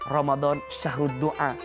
ramadan syahrud doa